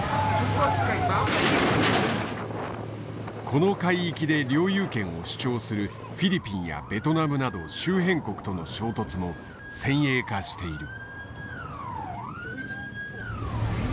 この海域で領有権を主張するフィリピンやベトナムなど周辺国との衝突も先鋭化している。